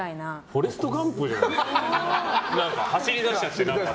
フォレスト・ガンプじゃん。